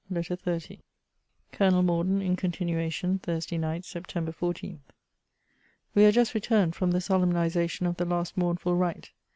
LETTER XXX COLONEL MORDEN [IN CONTINUATION.] THURSDAY NIGHT, SEPT. 14. We are just returned from the solemnization of the last mournful rite.